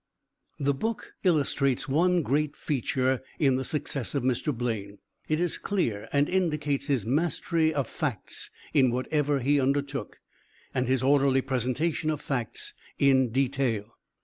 The book illustrates one great feature in the success of Mr. Blaine. It is clear, and indicates his mastery of facts in whatever he undertook, and his orderly presentation of facts in detail.